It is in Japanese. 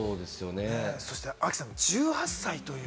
そして亜希さん、１８歳という。